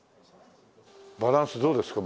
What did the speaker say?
バランスどうですか？